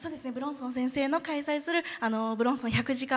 尊先生の開催する武論尊１００時間